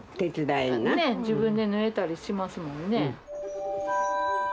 自分で縫えたりしますもんね。